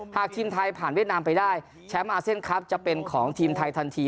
หากทีมไทยผ่านเวียดนามไปได้แชมป์อาเซียนคลับจะเป็นของทีมไทยทันที